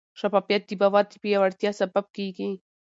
شفافیت د باور د پیاوړتیا سبب کېږي.